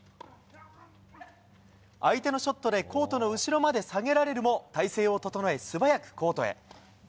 相手のショットでコートの後ろまで下げられるも体勢を整え、素早くコートへ。